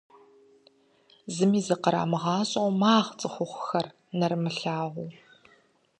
Зыми зыкърамыгъащӏэу, магъ цӏыхухъухэр нэрымылъагъуу.